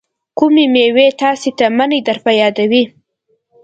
کومې میوې تاسې ته منی در په یادوي؟